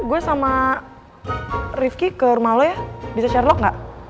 gue sama rifqi ke rumah lo ya bisa share vlog nggak